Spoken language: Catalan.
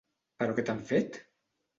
Però què t'han fet?